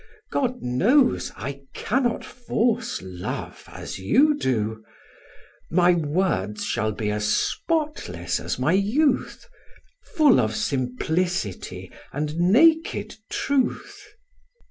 God knows, I cannot force love as you do: My words shall be as spotless as my youth, Full of simplicity and naked truth.